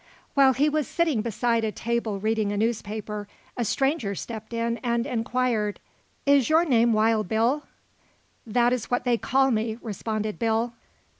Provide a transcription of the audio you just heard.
While he was sitting beside a table reading a newspaper, a stranger stepped in and enquired: "Is your name Wild Bill?" "That is what they call me," responded Bill.